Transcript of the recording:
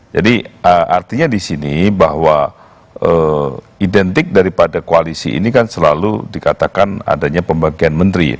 jadi artinya di sini bahwa identik daripada koalisi ini kan selalu dikatakan adanya pembagian menteri